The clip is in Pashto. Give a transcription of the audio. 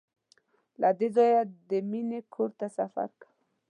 له دې ځایه د مینې کور ته سفر دی.